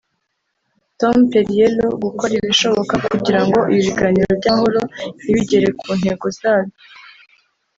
Tom Perriello gukora ibishoboka kugira ngo ibi biganiro by’amahoro ntibigere ku ntego zabyo